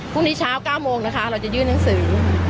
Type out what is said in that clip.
พรุ่งนี้เช้า๙โมงนะคะเราจะยื่นหนังสือ